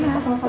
ya aku mau soal